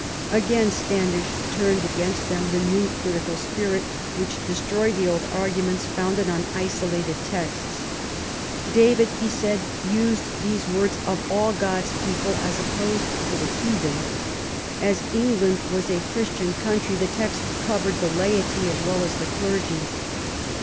Again Standish turned against them the new critical spirit^ which destroyed the old argu ments founded on isolated texts. David, he said, used these words of all God's people as opposed to the heathen ; as England was a Christian country the text covered the laity as well* as the clergy.